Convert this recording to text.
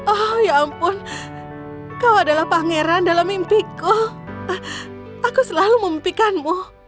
oh ya ampun kau adalah pangeran dalam mimpiku aku selalu memimpikanmu